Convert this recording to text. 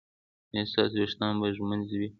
ایا ستاسو ویښتان به ږمنځ وي؟